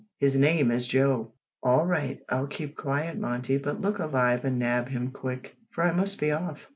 His name's Joe!" "All right, I'll keep quiet, Monty, but look alive and nab him quick, for I must be off."